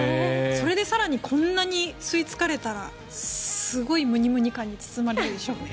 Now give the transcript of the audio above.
それで更にこんなに吸いつかれたらすごいムニムニ感に包まれるでしょうね。